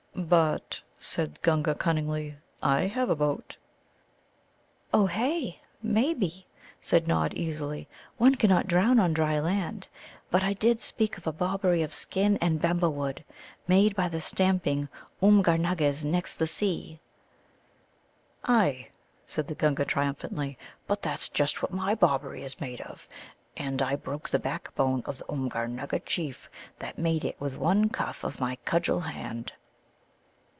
"But," said the Gunga cunningly, "I have a boat." "Ohé, maybe," said Nod easily. "One cannot drown on dry land. But I did speak of a Bobberie of skin and Bemba wood, made by the stamping Oomgar nuggas next the sea." "Ay," said the Gunga triumphantly, "but that's just what my Bobberie is made of, and I broke the backbone of the Oomgar nugga chief that made it with one cuff of my cudgel hand."